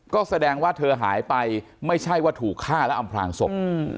ก็แสดงว่าเธอหายไปไม่ใช่ว่าถูกฆ่าและอำพลางศพ